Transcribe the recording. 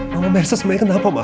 mama merasa semangat kenapa ma